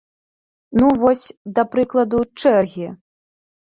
Ну, вось, да прыкладу, чэргі.